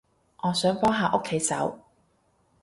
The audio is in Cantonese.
我想幫下屋企手